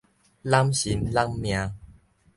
懶身懶名